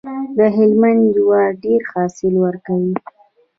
د هلمند جوار ډیر حاصل ورکوي.